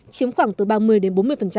chiếm khoảng từ ba mươi đến bốn mươi